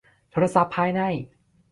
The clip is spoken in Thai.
โทรศัพท์ภายใน